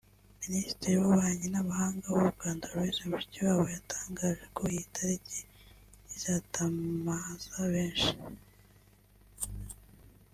Minisitiri w’Ububanyi n’Amahanga w’u Rwanda Louise Mushikiwabo yatangaje ko iyi tariki izatamaza benshi